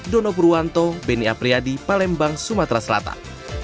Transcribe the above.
dono purwanto beni apriyadi palembang sumatera selatan